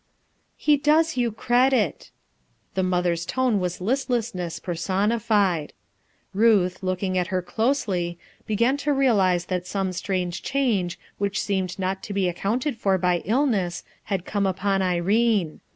"He does you credit." The mother's t onc was listlessDcss personified. Ruth, looking at her closely, began to realize tliat some strange change which seemed not to be accounted f 0r by illness bad come upon Irene.